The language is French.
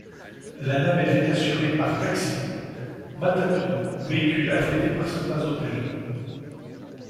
La navette est assurée par taxi, matatu ou véhicule affrété par certains hôtels.